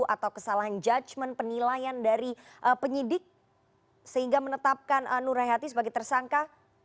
atau kesalahan judgement penilaian dari penyidik sehingga menetapkan nur hayati sebagai tersangka